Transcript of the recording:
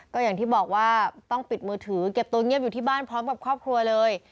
ก็อย่างที่บอกว่าต้องปิดมือถือเก็บตัวเงียบอยู่ที่บ้านพร้อมกับครอบครัวเลย